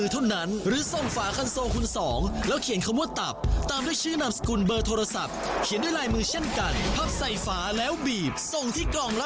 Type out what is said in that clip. ตอนนี้นักงานใจความโชคดีประหยัดพวดอยู่แล้วนะคะ